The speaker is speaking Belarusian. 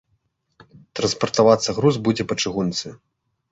Транспартавацца груз будзе па чыгунцы.